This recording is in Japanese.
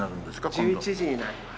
１１時に鳴ります。